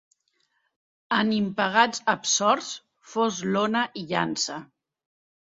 En Impagats Absorts, fos lona i llança.